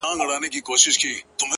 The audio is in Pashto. حسن خو زر نه دى چي څوك يې پـټ كــړي ـ